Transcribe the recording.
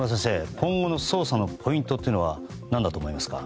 今後の捜査のポイントは何だと思いますか？